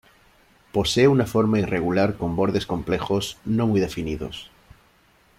Posee una forma irregular con bordes complejos, no muy definidos.